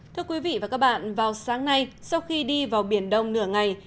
thưa quý vị và các bạn vào sáng nay sau khi đi vào biển đông nửa ngày